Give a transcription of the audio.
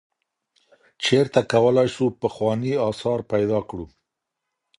چیرته کولای سو پخوانی آثار پیدا کړو؟